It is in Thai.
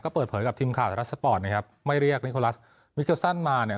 เปิดเผยกับทีมข่าวไทยรัฐสปอร์ตนะครับไม่เรียกนิโคลัสมิเกอร์ซันมาเนี่ย